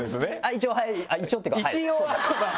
一応っていうか。